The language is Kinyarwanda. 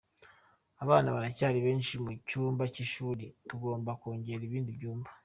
Abana baracyari benshi mu cyumba cy’ishuri tugomba kongera ibindi byumba.